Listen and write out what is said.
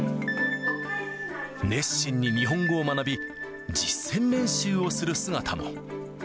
熱心に日本語を学び、実践練習をする姿も。